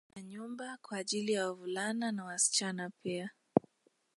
Kuna vyumba kwaajili ya wavulana na wasichana pia